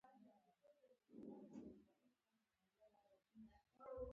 احمده! مرګ دې مېلمه سه.